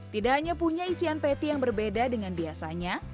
tidak hanya punya isian patty yang berbeda dengan biasanya